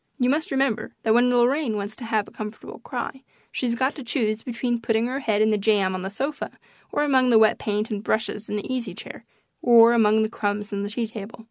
You must remember that when Lorraine wants to have a comfortable cry she's got to choose between putting her head in the jam on the sofa, or among the wet paint and brushes in the easy chair, or among the crumbs on the tea table.